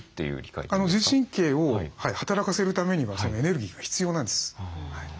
自律神経を働かせるためにはそのエネルギーが必要なんです。